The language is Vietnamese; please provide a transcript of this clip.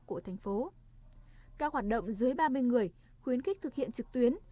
các hoạt động dưới ba mươi người khuyến khích thực hiện trực tuyến